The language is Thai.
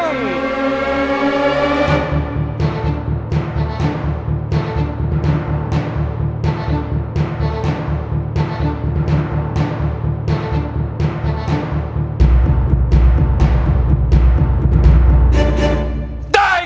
น้องกิ่งร้องได้ครับ